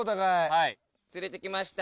はい連れて来ました。